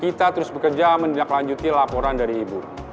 kita terus bekerja menindaklanjuti laporan dari ibu